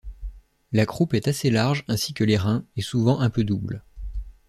La croupe est assez large ainsi que les reins, et souvent un peu double.